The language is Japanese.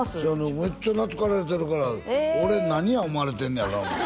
めっちゃ懐かれてるから俺何や思われてんねやろな？